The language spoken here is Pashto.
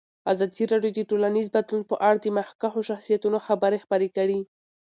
ازادي راډیو د ټولنیز بدلون په اړه د مخکښو شخصیتونو خبرې خپرې کړي.